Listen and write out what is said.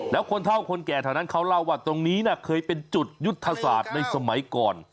แล้วคนเท่าคนแก่แถวนั้นเขาเล่าว่าตรงนี้เคยเป็นจุดยุทธศาสตร์ในสมัยก่อน